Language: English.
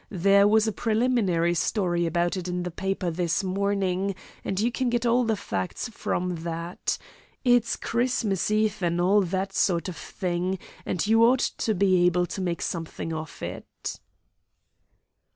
There was a preliminary story about it in the paper this morning, and you can get all the facts from that. It's Christmas Eve, and all that sort of thing, and you ought to be able to make something of it."